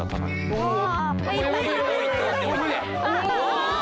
「うわ」